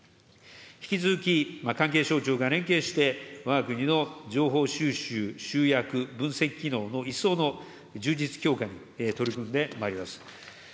引き続き関係省庁が連携して、わが国の情報収集・集約・分析機能の一層の充実強化に取り組んでまいります。